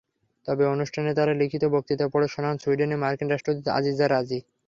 তবে অনুষ্ঠানে তাঁর লিখিত বক্তৃতা পড়ে শোনান সুইডেনে মার্কিন রাষ্ট্রদূত আজিতা রাজি।